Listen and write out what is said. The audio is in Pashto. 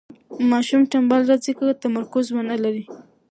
ماشوم ټنبل راځي که تمرکز ونلري.